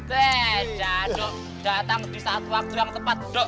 weh daddo datang disaat waktu yang tepat